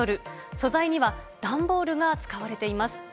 素材には段ボールが使われています。